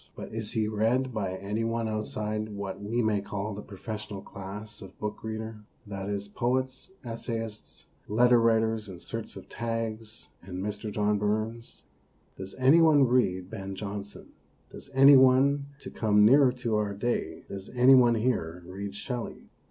But is he read by any one outside what we may call the profes sional class of book reader that is, poets, essayists, leader writers in search of tags, and Mr. John Burns? Does any one read Ben Jonson? Does any one, to come nearer to our day does any one here read Shelley?